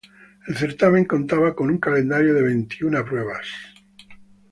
El certamen contaba con un calendario de veintiuna pruebas.